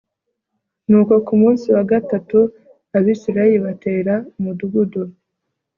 nuko ku munsi wa gatatu abisirayeli batera umudugudu